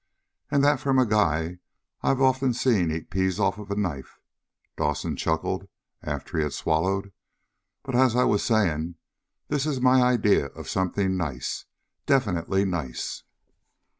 "And that from a guy I've often seen eat peas off a knife," Dawson chuckled after he had swallowed. "But, as I was saying, this is my idea of something nice. Definitely nice."